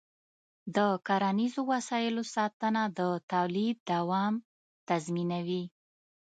د کرنيزو وسایلو ساتنه د تولید دوام تضمینوي.